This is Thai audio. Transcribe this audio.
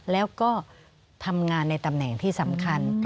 แล้วก็ทำงานในตำแหน่งที่สำคัญ